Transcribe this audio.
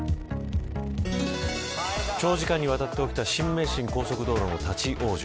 長時間にわたって起きた新名神高速道路の立ち往生。